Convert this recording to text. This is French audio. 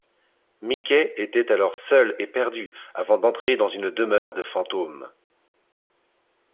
Mickey était alors seul et perdu, avant d'entrer dans une demeure de fantôme.